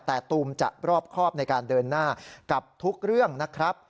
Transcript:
แต่ตูมจะรอบครอบในการเดินหน้ากับทุกเรื่องนะครับ